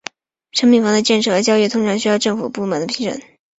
商品房的建设和交易通常需要经过政府部门的审批。